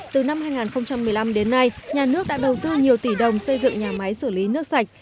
từ năm hai nghìn một mươi năm đến nay nhà nước đã đầu tư nhiều tỷ đồng xây dựng nhà máy xử lý nước sạch